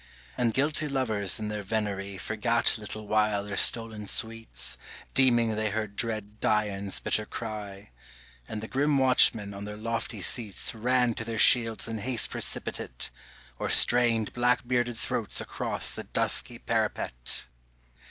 And guilty lovers in their venery Forgat a little while their stolen sweets, Deeming they heard dread Dian's bitter cry; And the grim watchmen on their lofty seats Ran to their shields in haste precipitate, Or strained black bearded throats across the dusky parapet.